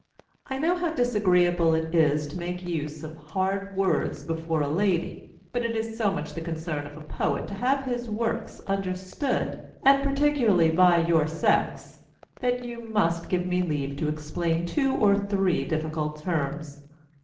I know how disagreeable it is to make use of hard words before a lady; but it is so much the concern of a poet to have his works understood, and particularly by your sex, that you must give me leave to explain two or three difficult terms.